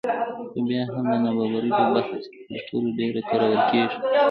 خو بیا هم د نابرابرۍ په بحث کې تر ټولو ډېر کارول کېږي